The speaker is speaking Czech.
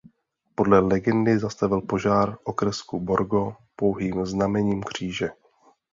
Podle legendy zastavil požár okrsku Borgo pouhým znamením kříže.